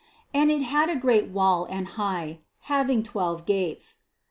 270. "And it had a great wall and high, having twelve gates."